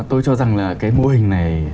tôi cho rằng là cái mô hình này